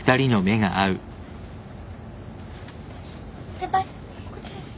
先輩こっちです。